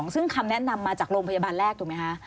ซึ่งคำแนะนำมาจากโรงพยาบาลแรกถูกไหมคะ